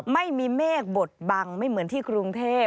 ไม่มีเมฆบดบังไม่เหมือนที่กรุงเทพ